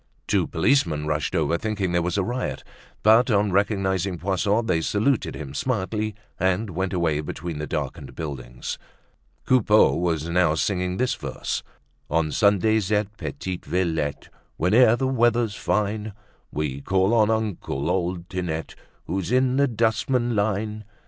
Two policemen rushed over, thinking there was a riot, but on recognizing Poisson, they saluted him smartly and went away between the darkened buildings. Coupeau was now singing this verse: "On Sundays at Petite Villette, Whene'er the weather's fine, We call on uncle, old Tinette, Who's in the dustman line.